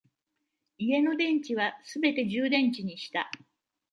家の電池はすべて充電池にした